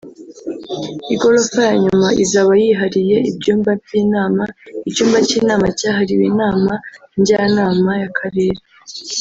Igorofa ya nyuma izaba yihariye ibyumba by’inama (icyumba cy’inama cyahariwe inama njyanama y’akarere